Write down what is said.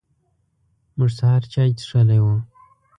موږ سهار چای څښلی و.